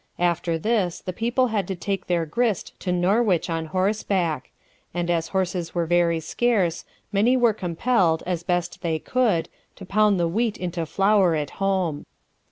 After this the people had to take their grist to Norwich on horseback; and as horses were very scarce, many were compelled, as best they could, to pound the wheat into flour at home.